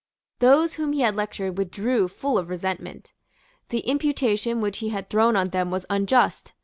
Those whom he had lectured withdrew full of resentment. The imputation which he had thrown on them was unjust.